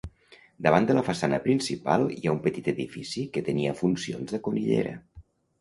Davant de la façana principal, hi ha un petit edifici que tenia funcions de conillera.